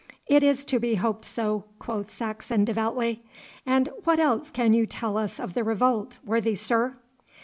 'It is to be hoped so,' quoth Saxon devoutly. 'And what else can you tell us of the revolt, worthy sir?